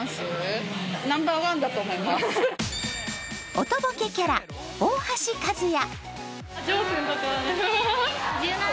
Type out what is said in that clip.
おとぼけキャラ、大橋和也。